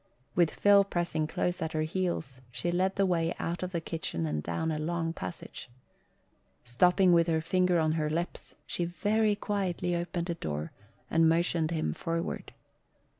With Phil pressing close at her heels she led the way out of the kitchen and down a long passage. Stopping with her finger on her lips, she very quietly opened a door and motioned him forward.